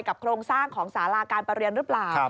โครงสร้างของสาราการประเรียนหรือเปล่า